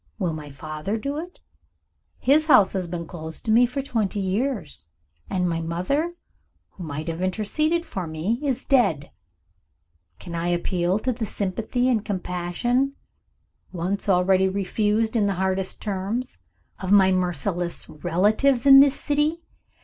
Will my father do it? His house has been closed to me for twenty years and my mother, who might have interceded for me, is dead. Can I appeal to the sympathy and compassion (once already refused in the hardest terms) of my merciless relatives in this city?